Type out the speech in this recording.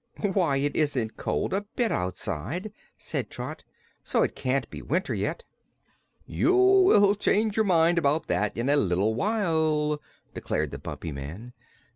"Why, it isn't cold a bit, outside," said Trot, "so it can't be winter yet." "You will change your mind about that in a little while," declared the Bumpy Man.